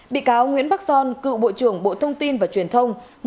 bị cáo nguyễn bắc son cựu bộ trưởng bộ thông tin và truyền thông